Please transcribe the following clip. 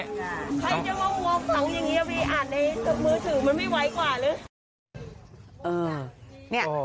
อ่านในเมือถือมันไม่ไวกว่าหรือ